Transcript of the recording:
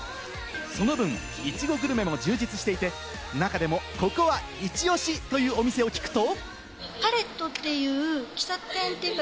その分、イチゴグルメも充実していて、中でもここはイチオシというお店を聞くと。